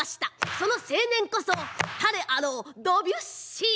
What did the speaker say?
その青年こそ誰あろうドビュッシー。